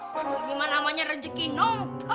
buat dimana namanya rezeki nompok